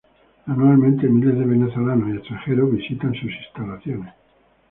Anualmente miles de Venezolanos y Extranjeros visitan sus instalaciones.